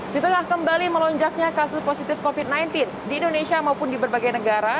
di tengah kembali melonjaknya kasus positif covid sembilan belas di indonesia maupun di berbagai negara